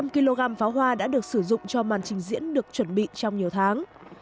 năm trăm linh kg pháo hoa đã được sử dụng cho màn trình diễn được chuẩn bị trong nhiều tháng